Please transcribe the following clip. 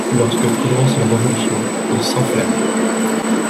Lorsque commence la Révolution, il s’enflamme.